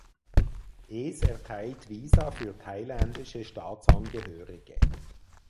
Es erteilt Visa für thailändische Staatsangehörige.